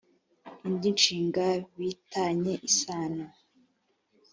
indi nshinga bi tanye isano